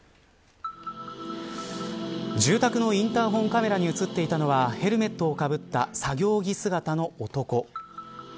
住宅のインターホンカメラに映っていたのはヘルメットをかぶった作業着姿の男。